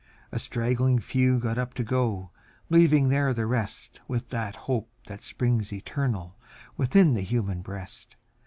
A straggling few got up to go, leaving there the rest, With that hope which springs eternal within the human breast.